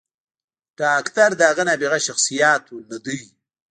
“ډاکتر د هغه نابغه شخصياتو نه دے